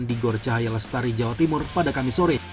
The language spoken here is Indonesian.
di gorcahaya lestari jawa timur pada kamis sore